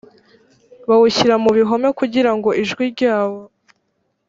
bawushyira mu bihome kugira ngo ijwi ryawo